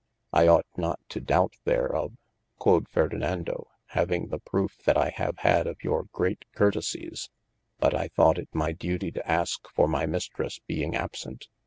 I ought not to doubt there of (quod Ferdinado) having the profe that I have had of your great courtesies, but I thought it my dutye to aske for my mistresse being absent.